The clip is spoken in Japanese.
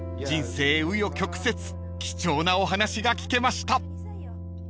［人生紆余曲折貴重なお話が聞けました］